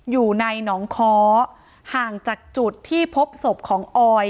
อยู่ในหนองค้อห่างจากจุดที่พบศพของออย